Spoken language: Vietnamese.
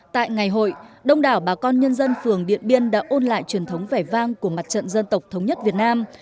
tại ngày hội đông đảo bà con nhân dân phường điện biên đã ôn lại truyền thống vẻ vang của mặt trận dân tộc thống nhất việt nam